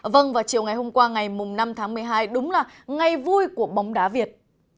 vâng vào chiều ngày hôm qua ngày năm tháng một mươi hai đúng là ngày vui của bóng đá việt